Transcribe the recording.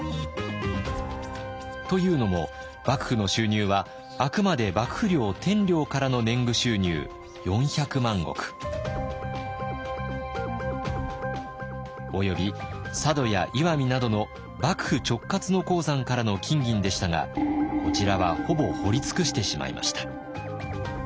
というのも幕府の収入はあくまで幕府領「天領」からの年貢収入４００万石。および佐渡や石見などの幕府直轄の鉱山からの金銀でしたがこちらはほぼ掘り尽くしてしまいました。